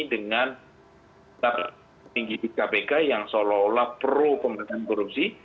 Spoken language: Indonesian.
dengan tinggi di kpk yang seolah olah pro pemberantasan korupsi